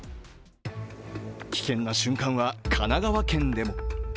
危険な瞬間は神奈川県でも。